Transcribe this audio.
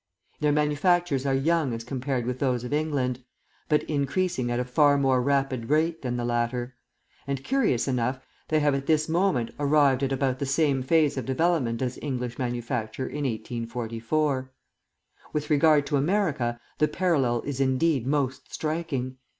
Their manufactures are young as compared with those of England, but increasing at a far more rapid rate than the latter; and, curious enough, they have at this moment arrived at about the same phase of development as English manufacture in 1844. With regard to America, the parallel is indeed most striking.